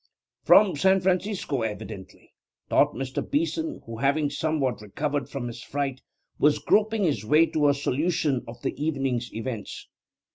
'From San Francisco, evidently,' thought Mr. Beeson, who having somewhat recovered from his fright was groping his way to a solution of the evening's events.